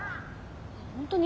本当に？